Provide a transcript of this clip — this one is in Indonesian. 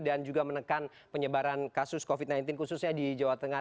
dan juga menekan penyebaran kasus covid sembilan belas khususnya di jawa tengah